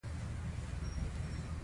د بواسیر لپاره د انځر اوبه وکاروئ